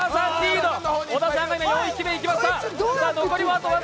小田さんが４匹目にいきました。